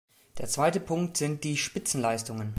Der zweite Punkt sind die Spitzenleistungen.